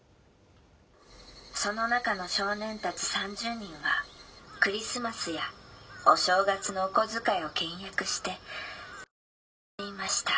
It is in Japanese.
「その中の少年たち３０人はクリスマスやお正月のお小遣いを倹約して貯金をしていました。